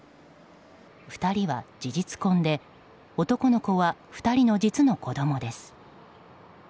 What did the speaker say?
２人は事実婚で男の子は２人の実の子供です。